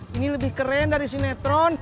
ini lebih keren dari sinetron